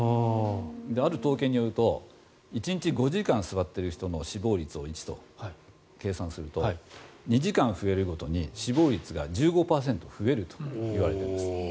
ある統計によると１日５時間座っている人の死亡率を１と計算すると２時間増えるごとに死亡率が１５％増えるといわれています。